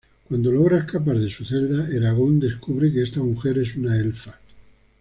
Cuando logra escapar de su celda, Eragon descubre que esta mujer es una elfa.